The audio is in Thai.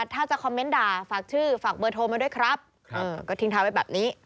ถ้าจะคอมเมนต์ด่าฝากชื่อฝากเบอร์โทรมาด้วยครับก็ทิ้งท้ายไว้แบบนี้